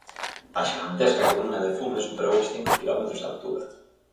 A xigantesca columna de fume superou os cinco quilómetros de altura.